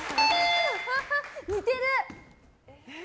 似てる！